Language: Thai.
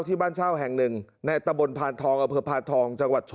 ที่บ้านเช้าแห่งหนึ่งในตะบลผ่านธอง๒๐๒๐นจบรี